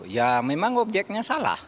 ya memang objeknya salah